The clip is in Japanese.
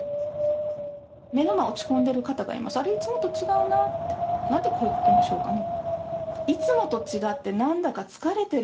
目の前に落ち込んでいる方がいます、あれ、いつもと違うな、なんて声かけましょうかね？